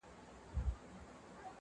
o ارمانه اوس درنه ښكلا وړي څوك.